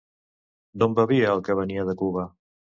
D'on bevia el que venia de Cuba?